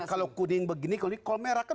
kalau kuning begini kalau merah kan